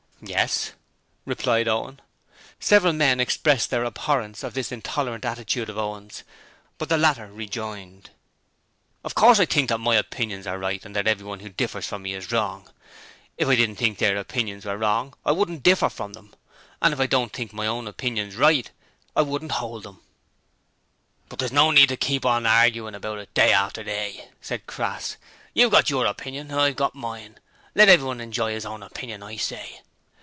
'Yes,' replied Owen. Several men expressed their abhorrence of this intolerant attitude of Owen's, but the latter rejoined: 'Of course I think that my opinions are right and that everyone who differs from me is wrong. If I didn't think their opinions were wrong I wouldn't differ from them. If I didn't think my own opinions right I wouldn't hold them.' 'But there's no need to keep on arguin' about it day after day,' said Crass. 'You've got your opinion and I've got mine. Let everyone enjoy his own opinion, I say.'